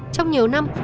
trong nhiều năm